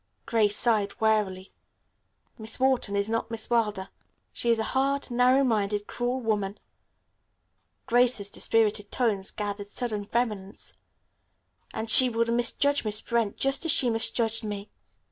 Grace sighed wearily. "Miss Wharton is not Miss Wilder. She is a hard, narrow minded, cruel woman," Grace's dispirited tones gathered sudden vehemence, "and she would misjudge Miss Brent just as she misjudged me.